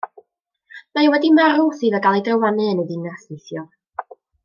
Mae o wedi marw wedi iddo gael ei drywanu yn y ddinas neithiwr.